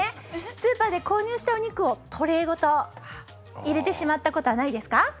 スーパーで購入したお肉をトレーごと入れてしまったことはないですか？